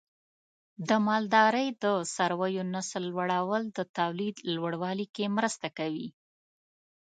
د مالدارۍ د څارویو نسل لوړول د تولید لوړوالي کې مرسته کوي.